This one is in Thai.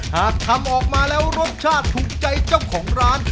หากทำออกมาแล้วรสชาติถูกใจเจ้าของร้าน